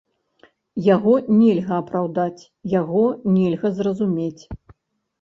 Яго нельга апраўдаць, яго нельга зразумець.